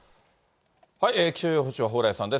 気象予報士は、蓬莱さんです。